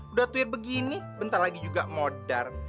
udah tweet begini bentar lagi juga modar